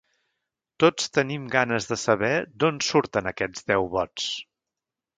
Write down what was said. Tots tenim ganes de saber d’on surten aquests deu vots.